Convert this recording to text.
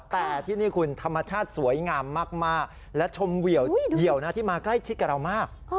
แต่ที่นี่คุณธรรมชาติสวยงามมากและชมเหี่ยวนะที่มาใกล้ชิดกับเรามาก